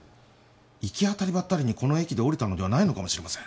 行き当たりばったりにこの駅で降りたのではないのかもしれません。